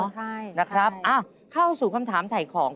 ใช่นะครับเข้าสู่คำถามถ่ายของ